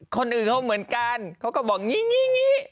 คนอื่นเหมือนกันก็บอกแง่น